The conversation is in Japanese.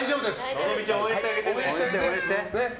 希美ちゃん、応援してあげてね。